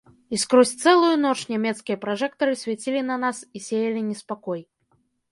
І скрозь цэлую ноч нямецкія пражэктары свяцілі на нас і сеялі неспакой.